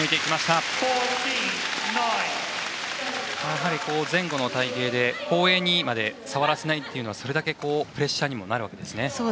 やはり前後の隊形で後衛にまで触らせないのはそれだけプレッシャーにもなるわけですね。